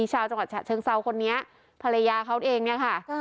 ชาวจังหวัดฉะเชิงเซาคนนี้ภรรยาเขาเองเนี่ยค่ะ